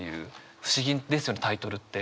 不思議ですよねタイトルって。